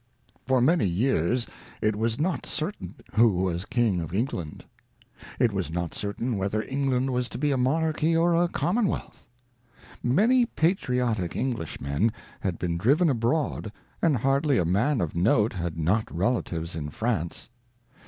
For many years it was not certain who was King of England. It was not certain whether England was to be a monarchy or a common wealth. Many patriotic Englishmen had been driven abroad, and hardly a man of note had not relatives in France.